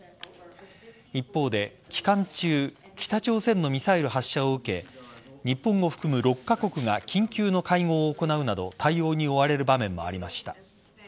一方で期間中北朝鮮のミサイル発射を受け日本を含む６カ国が緊急の会合を行うなど対応に追われる場面もありました。